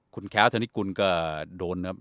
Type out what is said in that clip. คุณแค้วธนิกุลก็โดน